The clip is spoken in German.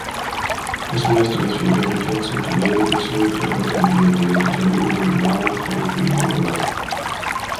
Das meiste, das wir über Ricketts Unternehmen wissen, verdanken wir den detaillierten Memoiren von Durang.